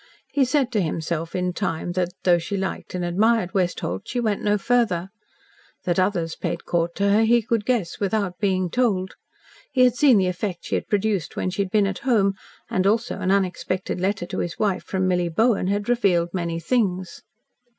He said to himself in time that, though she liked and admired Westholt, she went no farther. That others paid court to her he could guess without being told. He had seen the effect she had produced when she had been at home, and also an unexpected letter to his wife from Milly Bowen had revealed many things.